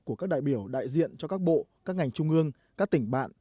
của các đại biểu đại diện cho các bộ các ngành trung ương các tỉnh bạn